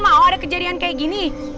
mau ada kejadian kayak gini